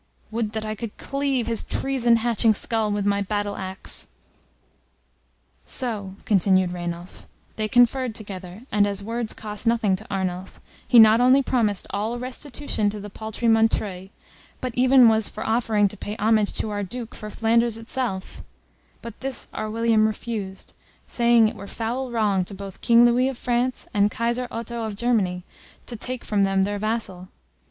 Would that I could cleave his treason hatching skull with my battle axe." "So," continued Rainulf, "they conferred together, and as words cost nothing to Arnulf, he not only promised all restitution to the paltry Montreuil, but even was for offering to pay homage to our Duke for Flanders itself; but this our William refused, saying it were foul wrong to both King Louis of France, and Kaiser Otho of Germany, to take from them their vassal.